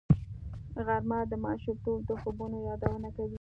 غرمه د ماشومتوب د خوبونو یادونه کوي